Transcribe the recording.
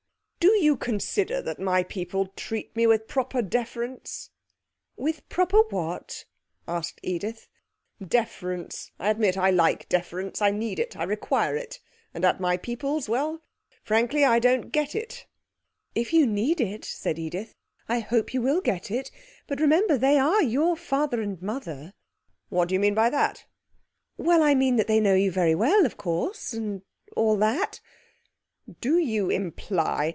Do you consider that my people treat me with proper deference?' 'With proper what?' asked Edith. 'Deference. I admit I like deference. I need it I require it; and at my people's well, frankly, I don't get it.' 'If you need it,' said Edith, 'I hope you will get it. But remember they are your father and mother.' 'What do you mean by that?' 'Well, I mean they know you very well, of course ... and all that.' 'Do you imply...?'